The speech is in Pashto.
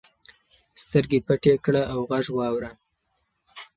سترګې پټې کړه او غږ واوره.